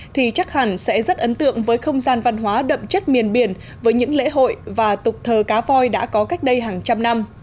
thì chắc hẳn sẽ rất ấn tượng với không gian văn hóa đậm chất miền biển với những lễ hội và tục thờ cá voi đã có cách đây hàng trăm năm